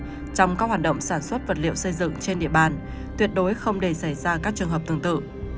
trong các hoạt động sản xuất vật liệu xây dựng trên địa bàn tuyệt đối không để xảy ra các trường hợp tương tự